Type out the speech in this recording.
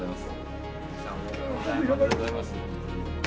ありがとうございます。